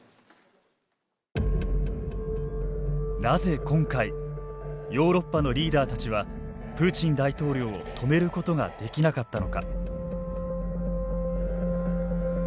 なぜ今回ヨーロッパのリーダーたちはプーチン大統領を止めることができなかったのか。